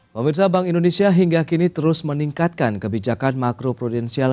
pemirsa bank indonesia hingga kini terus meningkatkan kebijakan makro prudensial